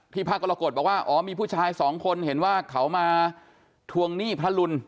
พระกรกฎบอกว่าอ๋อมีผู้ชายสองคนเห็นว่าเขามาทวงหนี้พระรุน